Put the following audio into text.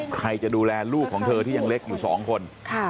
ใครจะดูแลลูกของเธอที่ยังเล็กอยู่๒คน